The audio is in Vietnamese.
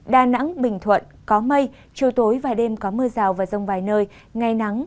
đà nẵng bình thuận có mây chiều tối và đêm có mưa rào và rông vài nơi ngày nắng